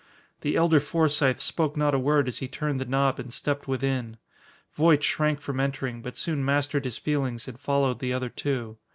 The elder Forsythe spoke not a word as he turned the knob and stepped within. Voight shrank from entering, but soon mastered his feelings and followed the other two.